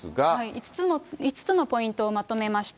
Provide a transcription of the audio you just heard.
５つのポイントをまとめました。